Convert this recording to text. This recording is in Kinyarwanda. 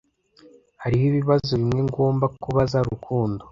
Hariho ibibazo bimwe ngomba kubaza Rukundo.